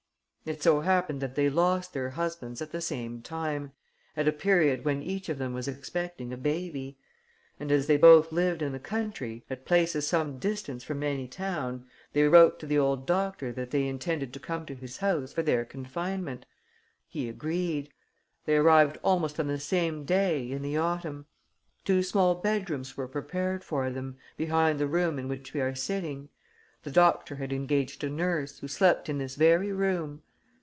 "It so happened that they lost their husbands at the same time, at a period when each of them was expecting a baby. And, as they both lived in the country, at places some distance from any town, they wrote to the old doctor that they intended to come to his house for their confinement.... He agreed. They arrived almost on the same day, in the autumn. Two small bedrooms were prepared for them, behind the room in which we are sitting. The doctor had engaged a nurse, who slept in this very room.